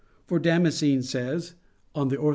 For Damascene says (De Fide Orth.